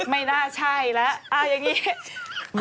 ไม่น่าใช่แล้วอย่างนี้